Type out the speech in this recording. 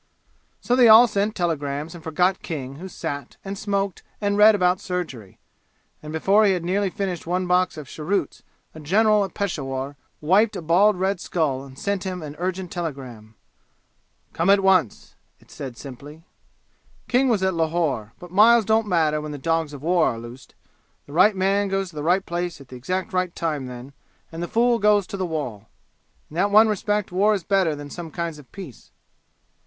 So they all sent telegrams and forgot King who sat and smoked and read about surgery; and before he had nearly finished one box of cheroots a general at Peshawur wiped a bald red skull and sent him an urgent telegram. "Come at once!" it said simply. King was at Lahore, but miles don't matter when the dogs of war are loosed. The right man goes to the right place at the exact right time then, and the fool goes to the wall. In that one respect war is better than some kinds of peace.